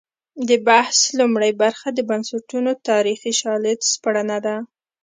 د بحث لومړۍ برخه د بنسټونو تاریخي شالید سپړنه ده.